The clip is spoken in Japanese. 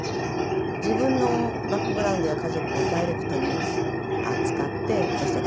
自分のバックグラウンドや家族をダイレクトに扱ってましてや